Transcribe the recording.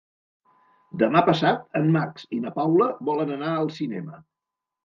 Demà passat en Max i na Paula volen anar al cinema.